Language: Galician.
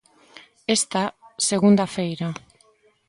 Esta segunda feira.